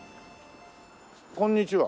こんにちは。